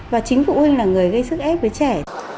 và chính phụ huynh là người gây sức ép với trẻ